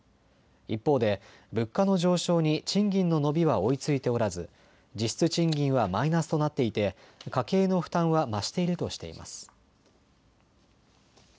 一方で物価の上昇に賃金の伸びは追いついておらず、実質賃金はマイナスとなっていて家計の負担は増しているとしています。